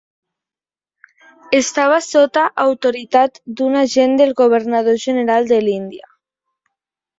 Estava sota autoritat d'un agent del Governador General de l'Índia.